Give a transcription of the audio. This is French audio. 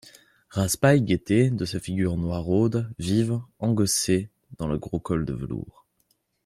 Raspail guettait, de sa figure noiraude, vive, engoncée dans le gros col de velours.